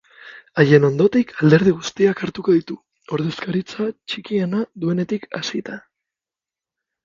Haien ondotik alderdi guztiak hartuko ditu, ordezkaritza txikiena duenetik hasita.